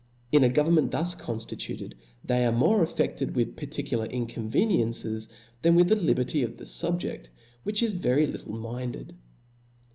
In a government thus confti tuted, they are more affefted with particular incon veniencies, than with the liberty of the fubjedt^ which is very little minded.